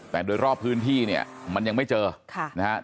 แต่โดยรอบพื้นที่เนี่ยมันยังไม่เจอค่ะนะครับ